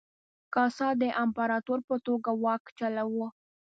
کاسا د امپراتور په توګه واک چلاوه.